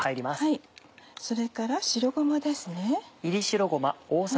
それから白ごまですね。